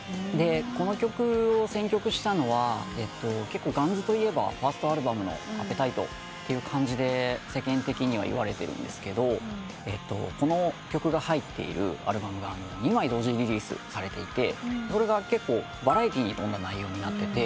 この曲を選曲したのは結構ガンズといえばファーストアルバムの『アペタイト』っていう感じで世間的にはいわれてるんですけどこの曲が入っているアルバムが２枚同時リリースされていてそれが結構バラエティーに富んだ内容になってて。